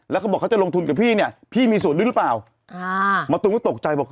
แล้วเขาบอกเขาจะลงทุนกับพี่เนี่ยพี่มีส่วนด้วยหรือเปล่ามะตูมก็ตกใจบอก